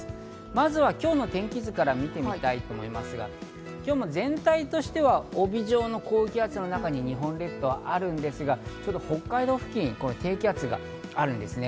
まずは今日の天気図から見てみたいと思いますが、今日も全体としては帯状の高気圧の中に日本列島はあるんですが、北海道付近、低気圧があるんですね。